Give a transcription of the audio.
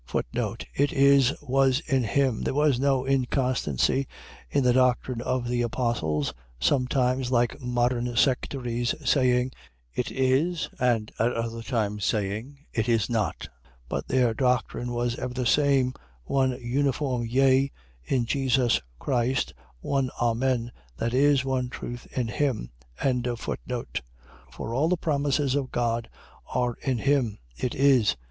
It is, was in him. . .There was no inconstancy in the doctrine of the apostles, sometimes, like modern sectaries, saying, It is, and at other times saying, It is not. But their doctrine was ever the same, one uniform yea, in Jesus Christ, one Amen, that is, one truth in him. 1:20. For all the promises of God are in him, It is.